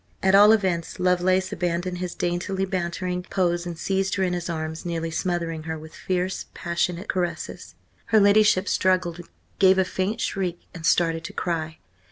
At all events, Lovelace abandoned his daintily bantering pose and seized her in his arms, nearly smothering her with fierce, passionate caresses. Her ladyship struggled, gave a faint shriek, and started to cry.